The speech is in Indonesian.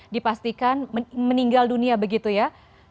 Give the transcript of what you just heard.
dipastikan meninggal dunia begitu ya